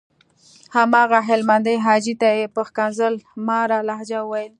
هماغه هلمندي حاجي ته یې په ښکنځل ماره لهجه وويل.